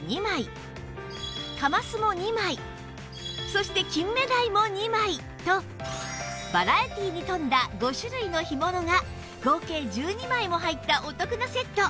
そして金目鯛も２枚とバラエティーに富んだ５種類の干物が合計１２枚も入ったお得なセット